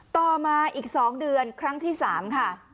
ต่อมาอีก๒เดือนครั้งที่๓ค่ะ